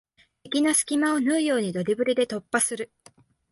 敵の隙間を縫うようにドリブルで突破する